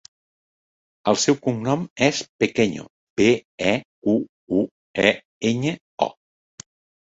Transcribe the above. El seu cognom és Pequeño: pe, e, cu, u, e, enya, o.